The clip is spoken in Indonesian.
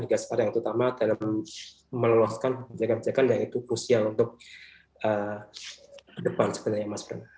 hingga sepertinya yang terutama dalam meloloskan pemerintahan pemerintahan yang itu krusial untuk ke depan sebenarnya mas bram